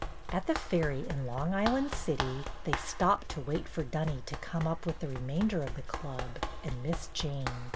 At the ferry in Long Island City they stopped to wait for Dunny to come up with the remainder of the Club and Miss Jane.